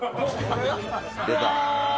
出た。